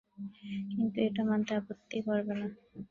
কিন্তু এটা মানতে আপত্তি করবে না।